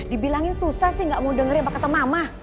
dibilangin susah sih gak mau dengerin apa kata mama